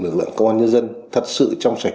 lực lượng công an nhân dân thật sự trong sạch